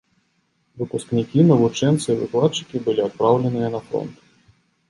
Выпускнікі, навучэнцы і выкладчыкі былі адпраўленыя на фронт.